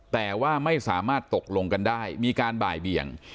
แต่ว่าไม่สามารถตกลงกันได้มีการบ่ายเบี่ยง